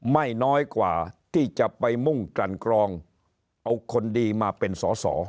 ไม่น้อยกว่าที่จะไปมุ่งกลั่นกรองเอาคนดีมาเป็นสอสอ